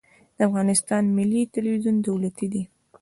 د افغانستان ملي تلویزیون دولتي دی